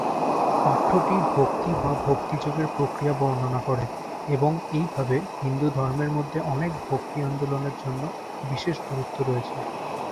পাঠ্যটি ভক্তি, বা ভক্তি যোগের প্রক্রিয়া বর্ণনা করে এবং এইভাবে হিন্দুধর্মের মধ্যে অনেক ভক্তি আন্দোলনের জন্য বিশেষ গুরুত্ব রয়েছে।